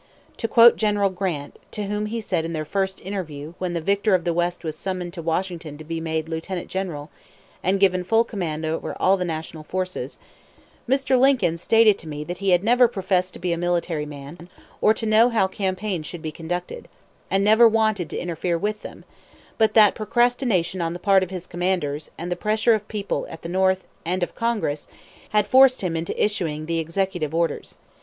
To quote General Grant, to whom he said in their first interview when the victor of the West was summoned to Washington to be made lieutenant general, and given full command over all the national forces: "Mr. Lincoln stated to me that he had never professed to be a military man, or to know how campaigns should be conducted, and never wanted to interfere with them; but that procrastination on the part of his commanders, and the pressure of people at the North, and of Congress, had forced him into issuing the 'executive orders.'